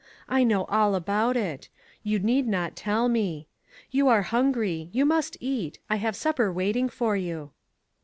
I know all about it ; you need not tell me. You are hungry ; you must eat ; I have supper waiting for you."